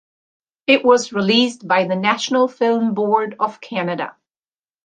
It was released by the National Film Board of Canada.